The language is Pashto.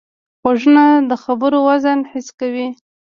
غوږونه د خبرو وزن حس کوي